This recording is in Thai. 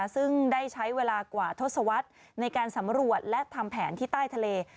ซึ่งได้ใช้เวลากว่าทศวรรษในการสำรวจและทำแผนที่ใต้ทะเล